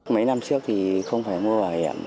mấy năm trước thì không phải mua bảo hiểm